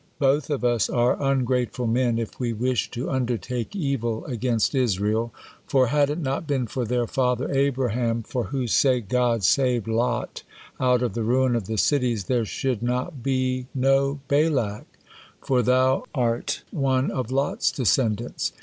Both of us are ungrateful men if we wish to undertake evil against Israel, for, had it not been for their father Abraham, for whose sake God saved Lot out of the ruin of the cities, there should not be no Balak, for thou are one of Lot's descendants.